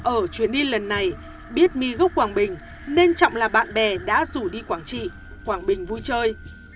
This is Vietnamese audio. ở chuyến đi lần này biết my gốc quảng bình nên trọng là bạn bè đã rủ đi quảng trị quảng bình vui chơi